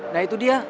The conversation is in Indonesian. nah itu dia